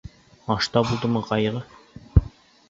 Аш та булдымы ҡайғы...